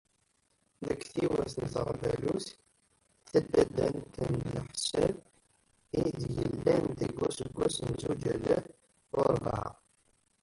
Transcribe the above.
Deg tiwet n teɣbalut taddadant n leḥsab i d-yellan deg useggas n zuǧ alaf u rebεa.